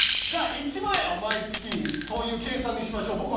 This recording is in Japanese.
じゃあ１万円を毎月という計算にしましょう。